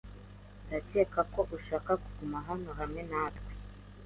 Ndakeka ko uzashaka kuguma hano hamwe natwe.